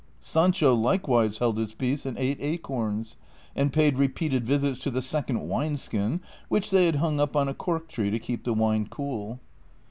Sancho likewise held his peace and ate acorns, and paid repeated visits to the second wine skin, which they had hung up on a cork tree to keep the wine cool.